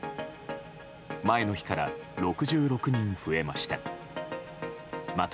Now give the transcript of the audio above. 前の日から６６人増えました。